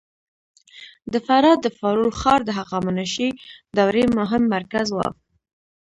د فراه د فارول ښار د هخامنشي دورې مهم مرکز و